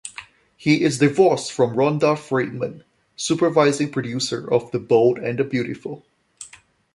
He is divorced from Rhonda Friedman, supervising producer of "The Bold and the Beautiful".